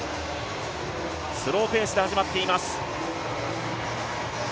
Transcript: スローペースで始まっています。